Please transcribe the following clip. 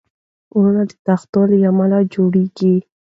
غرونه د تختو له امله جوړېږي.